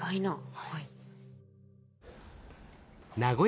はい。